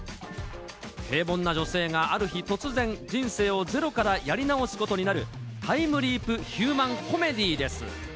平凡な女性がある日突然、人生をゼロからやり直すことになる、タイムリープヒューマンコメディーです。